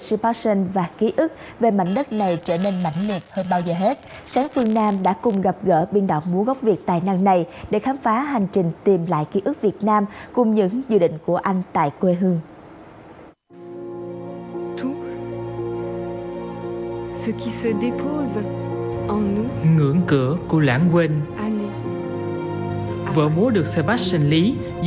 sipashen và ký ức về mạnh đất này